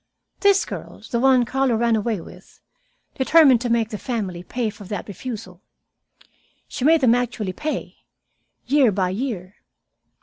This girl the one Carlo ran away with determined to make the family pay for that refusal. She made them actually pay, year by year.